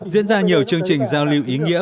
diễn ra nhiều chương trình giao lưu ý nghĩa